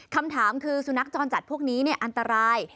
คำถามคือสุนัขจรจัดพวกนี้อันตราย